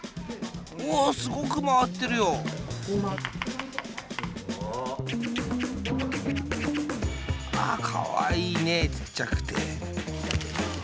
うわっすごくまわってるよ。わかわいいねえちっちゃくて。